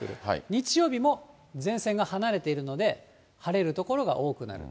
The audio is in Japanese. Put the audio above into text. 日曜日も前線が離れているので、晴れる所が多くなる。